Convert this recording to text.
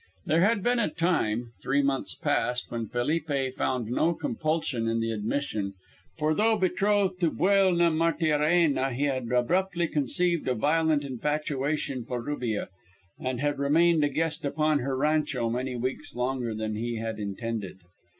There had been a time, three months past, when Felipe found no compulsion in the admission, for though betrothed to Buelna Martiarena he had abruptly conceived a violent infatuation for Rubia, and had remained a guest upon her rancho many weeks longer than he had intended.